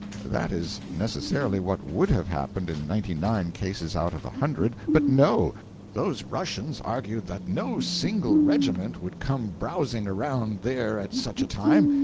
That is necessarily what would have happened in ninety nine cases out of a hundred. But no; those Russians argued that no single regiment would come browsing around there at such a time.